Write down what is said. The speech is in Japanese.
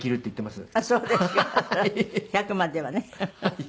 １００までは。